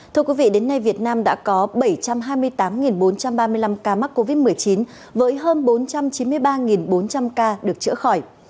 thưa quý vị đến nay việt nam đã có bảy trăm hai mươi tám bốn trăm ba mươi năm ca mắc covid một mươi chín với hơn bốn trăm chín mươi ba bốn trăm linh ca được chữa khỏi